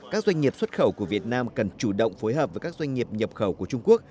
các doanh nghiệp xuất khẩu của việt nam cần chủ động phối hợp với các doanh nghiệp nhập khẩu của trung quốc